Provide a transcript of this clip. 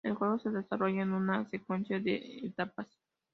El juego se desarrolla en una secuencia de etapas.